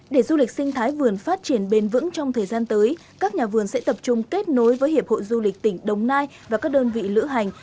để du lịch sinh thái vườn phát triển bền vững trong thời gian tới các nhà vườn sẽ tập trung kết nối với hiệp hội du lịch tỉnh đồng nai và các đơn vị lữ hành